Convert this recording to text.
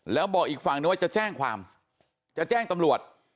แล้วบอกอีกฝั่งนึงว่าจะแจ้งความจะแจ้งตำรวจ